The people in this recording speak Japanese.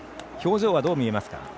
表情はどう見えますか？